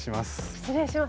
失礼します。